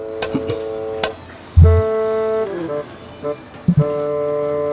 a'at sudah selesai